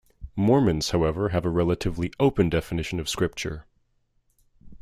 Mormons however have a relatively open definition of scripture.